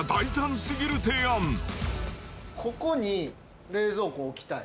ここに冷蔵庫置きたい。